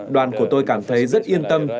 đoàn của tôi cảm thấy rất yên tâm